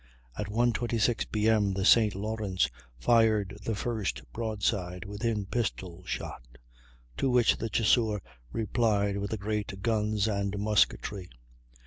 At 1.26 P.M., the St. Lawrence fired the first broadside, within pistol shot, to which the Chasseur replied with her great guns and musketry.